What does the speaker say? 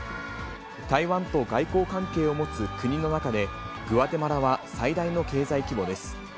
台湾と外交関係を持つ国の中で、グアテマラは最大の経済規模です。